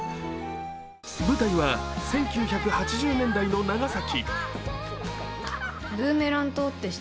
舞台は１９８０年代の長崎。